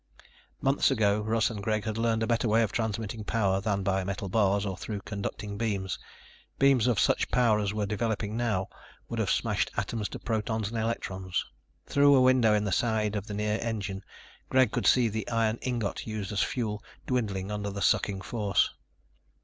Months ago Russ and Greg had learned a better way of transmitting power than by metal bars or through conducting beams. Beams of such power as were developing now would have smashed atoms to protons and electrons. Through a window in the side of the near engine, Greg could see the iron ingot used as fuel dwindling under the sucking force.